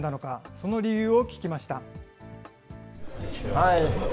その理由を聞きました。